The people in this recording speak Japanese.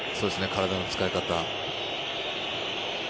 体の使い方。